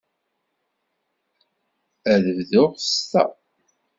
Ad bduɣ s ta.